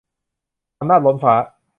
อำนาจล้นฟ้า